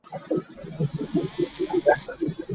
SuiṬha cu nutung a si.